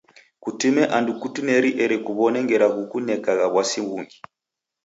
Kutime andu kutineri eri kuw'one ngera ghukuneka w'asi ghungi.